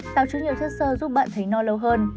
tạo chứa nhiều chất sơ giúp bạn thấy no lâu hơn